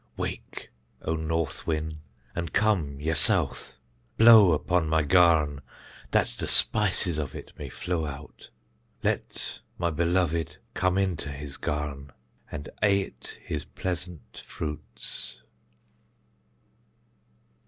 Wake, O north win, an come, ye south; blow upon my garn, dat de spices of it may flow out. Let my beloved come into his garn, an ait his pleasant fruits.